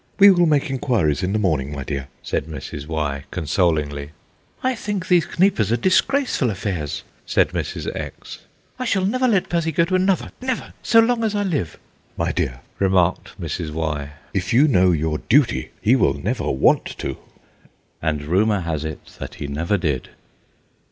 "We will make enquiries in the morning, my dear," said Mrs. Y., consolingly. "I think these Kneipes are disgraceful affairs," said Mrs. X. "I shall never let Percy go to another, never so long as I live." "My dear," remarked Mrs. Y., "if you know your duty, he will never want to." And rumour has it that he never did.